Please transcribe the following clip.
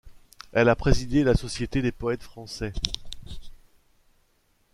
Elle a présidé la Société des poètes français.